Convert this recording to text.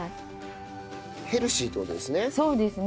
ヘルシーって事ですね。